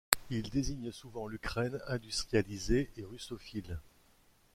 Il désigne souvent l'Ukraine industrialisée et russophile.